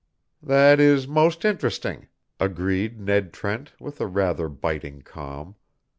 "That is most interesting," agreed Ned Trent, with a rather biting calm.